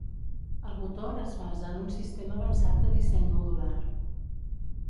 El motor es basa en un sistema avançat de disseny modular.